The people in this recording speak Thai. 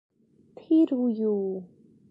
ที่รู้อยู่